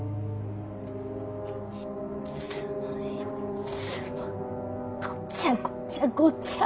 いっつもいっつもごちゃごちゃごちゃごちゃ。